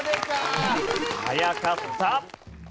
早かった。